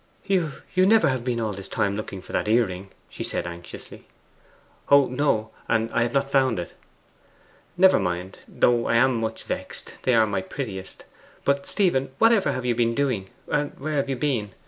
'You never have been all this time looking for that earring?' she said anxiously. 'Oh no; and I have not found it.' 'Never mind. Though I am much vexed; they are my prettiest. But, Stephen, what ever have you been doing where have you been?